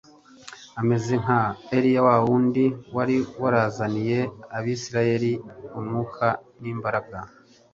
Ameze nka Eliya wa wundi wari warazaniye abisirayeli umwuka n'imbaraga,